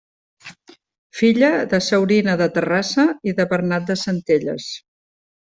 Filla de Saurina de Terrassa i de Bernat de Centelles.